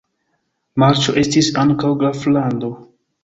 Marĉo estis ankaŭ graflando.